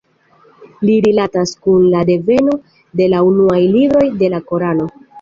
Li rilatas kun la deveno de la unuaj libroj de la Korano.